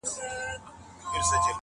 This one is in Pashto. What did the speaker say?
تاید تردید ته غاړه ورکړې ده